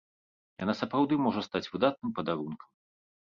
Яна сапраўды можа стаць выдатным падарункам.